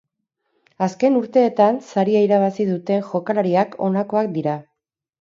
Azken urteetan saria irabazi duten jokalariak, honakoak dira.